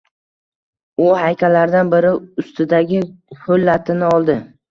U haykallardan biri ustidagi hoʻl lattani oldi.